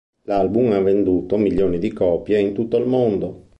L'album ha venduto milioni di copie in tutto il mondo.